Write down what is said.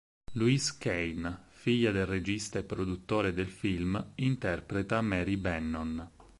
Louise Kane, figlia del regista e produttore del film, interpreta Mary Bannon.